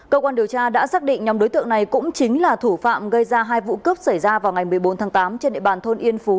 cơ quan điều tra đã xác định nhóm đối tượng này cũng chính là thủ phạm gây ra hai vụ cướp xảy ra vào ngày một mươi bốn tháng tám trên địa bàn thôn yên phú